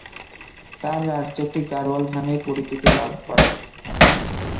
তাঁর রাজ্যটি গাড়োয়াল নামে পরিচিতি লাভ করে।